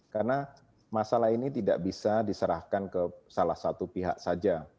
karena masalah ini tidak bisa diserahkan ke salah satu pihak saja